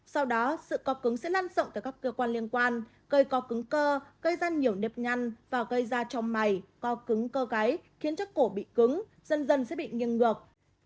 sau đó sự cọp cứng sẽ lan rộng từ các cơ quan liên quan cây co cứng cơ gây ra nhiều nếp nhăn và gây ra trong mày co cứng cơ gáy khiến chất cổ bị cứng dần dần sẽ bị nghiêng ngược